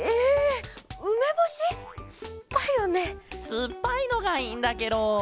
すっぱいのがいいんだケロ。